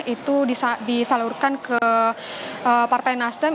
itu disalurkan ke partai nasdem